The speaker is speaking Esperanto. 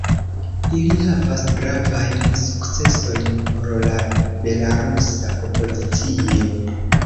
Ili havas gravajn sukcesojn por la belarusa opozicio.